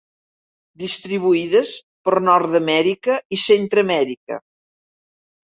Distribuïdes per Nord-amèrica i Centreamèrica.